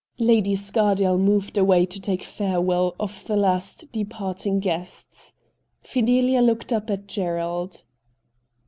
Lady Scardale moved away to take fare well of the last departing guests. Fidelia looked up at Gerald.